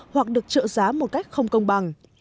hoặc được trợ giá một cách không công bằng